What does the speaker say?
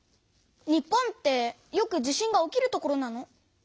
日本ってよく地震が起きる所なの？